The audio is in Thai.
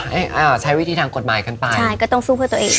ให้อ่าใช้วิธีทางกฎหมายกันไปใช่ก็ต้องสู้เพื่อตัวเอง